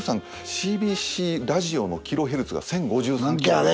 ＣＢＣラジオのキロヘルツが１０５３キロヘルツ。